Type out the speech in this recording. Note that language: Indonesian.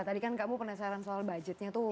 tadi kan kamu penasaran soal budgetnya tuh